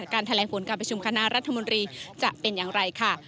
การแถลงผลการประชุมคณะรัฐมนตรีจะเป็นอย่างไรค่ะ